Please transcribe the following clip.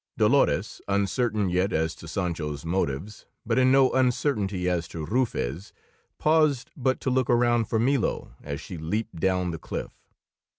Dolores, uncertain yet as to Sancho's motives, but in no uncertainty as to Rufe's, paused but to look around for Milo as she leaped down the cliff.